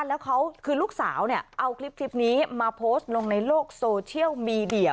แล้วเขาคือลูกสาวเนี่ยเอาคลิปนี้มาโพสต์ลงในโลกโซเชียลมีเดีย